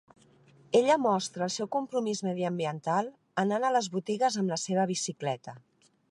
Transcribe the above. Ella mostra el seu compromís mediambiental anant a les botigues amb la seva bicicleta